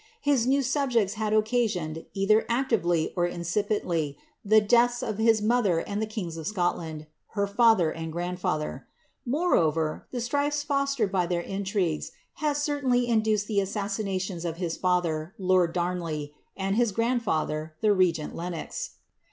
His new sab jects had occasioned, either actively or incipienUy, the deaths of his mother and of the kings of Scotland, her &ther, and grandfiither ; more over, the strifes fostered by their intrigues had certainly induced the assassinations of his father, lord Damley, and his grandfather, the regent Lenox.